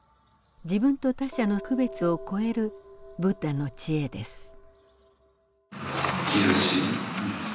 自分と他者の区別を超えるブッダの智慧です。